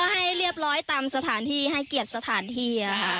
ให้เรียบร้อยตามสถานที่ให้เกียรติสถานที่ค่ะ